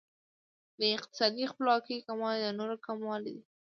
د اقتصادي خپلواکۍ کموالی د نورو کموالی دی.